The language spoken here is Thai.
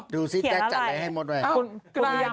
ดูซิแกจัดอะไรให้หมดไว้